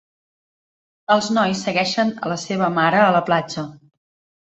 Els nois segueixen a la seva mare a la platja.